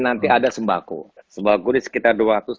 nanti ada sembako sembako ini sekitar